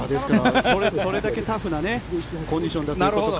それだけタフなコンディションということです。